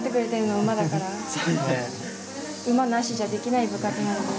馬なしじゃできない部活なので。